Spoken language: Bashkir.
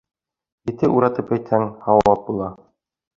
Ете уратып әйтһәң һауап була.